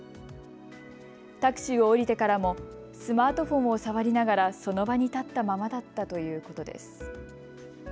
タクシーを降りてからもスマートフォンを触りながらその場に立ったままだったということです。